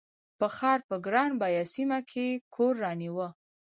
په ښار په ګران بیه سیمه کې کور رانیوه.